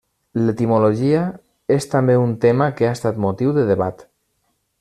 L'etimologia és també un tema que ha estat motiu de debat.